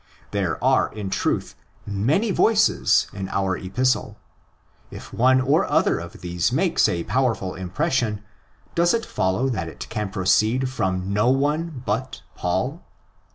There are in truth many voices in our Epistle. If one or other of these makes a powerful impression, does it follow that it can proceed from no one but Paul?